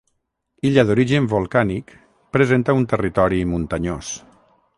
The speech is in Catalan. Illa d'origen volcànic, presenta un territori muntanyós.